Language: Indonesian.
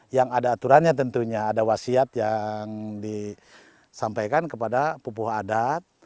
yang ada aturannya tentunya ada wasiat yang disampaikan kepada pupuh adat